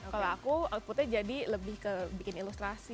kalau aku outputnya jadi lebih ke bikin ilustrasi